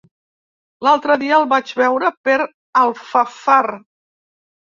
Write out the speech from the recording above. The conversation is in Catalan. L'altre dia el vaig veure per Alfafar.